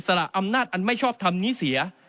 ละอำนาจอันไม่ชอบทำนี้เสีย